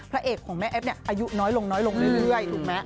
พระเอกของแม่แอ๊บเนี่ยอายุน้อยลงลงเรื่อยถูกมั้ย